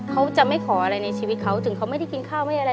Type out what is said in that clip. เขาจะไม่ขออะไรในชีวิตเขาถึงเขาไม่ได้กินข้าวไม่ได้อะไร